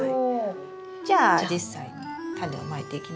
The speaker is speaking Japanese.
じゃあ実際にタネをまいていきましょう。